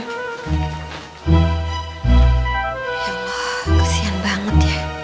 ya allah kasihan banget ya